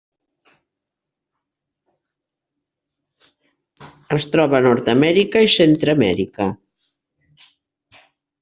Es troba a Nord-amèrica i Centreamèrica.